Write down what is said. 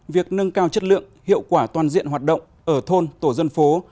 việc nâng cao chất lượng hiệu quả toàn diện hoạt động ở thôn tổ dân phố